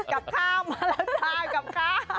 กับข้าวมาแล้วจ้ากับข้าว